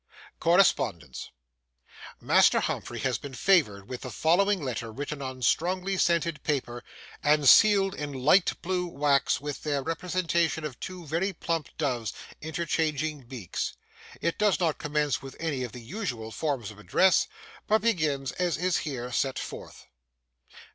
CORRESPONDENCE Master Humphrey has been favoured with the following letter written on strongly scented paper, and sealed in light blue wax with the representation of two very plump doves interchanging beaks. It does not commence with any of the usual forms of address, but begins as is here set forth.